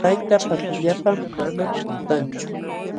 Tayta pa tullapan manam quntanchu.